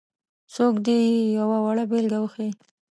څوک دې یې یوه وړه بېلګه وښيي.